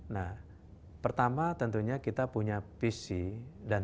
nah pertama tentunya kita punya pc dan